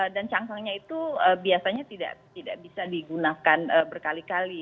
dan cangkangnya itu biasanya tidak bisa digunakan berkali kali